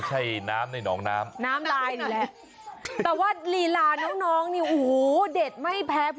ส่วนบางคนเนี่ยรอเรือรอลิงชัดเจนมาก